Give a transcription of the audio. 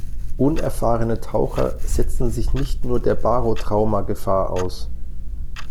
Unerfahrene Taucher setzten sich nicht nur der Barotrauma-Gefahr aus.